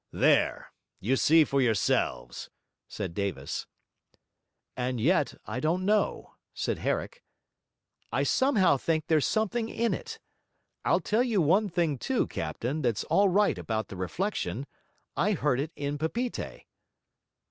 'There! you see for yourselves,' said Davis. 'And yet I don't know,' said Herrick, 'I somehow think there's something in it. I'll tell you one thing too, captain; that's all right about the reflection; I heard it in Papeete.'